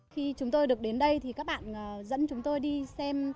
khi chúng tôi được đến đây thì các bạn dẫn chúng tôi đi xem